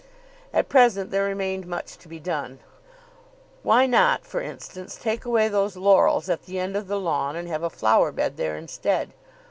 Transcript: At present there remained much to be done. Why not, for instance, take away those laurels at the end of the lawn, and have a flower bed there instead?